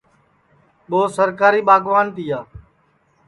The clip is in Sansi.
اور سرکاری ٻاگوان تِیا